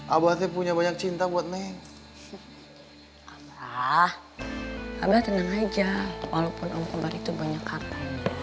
abah sih punya banyak cinta buat neng abah tenang aja walaupun om kobar itu banyak hartanya